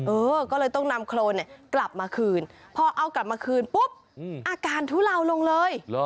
เออก็เลยต้องนำโครนเนี่ยกลับมาคืนพอเอากลับมาคืนปุ๊บอาการทุเลาลงเลย